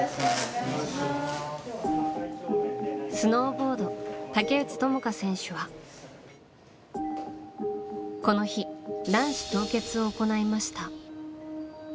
スノーボード竹内智香選手はこの日、卵子凍結を行いました。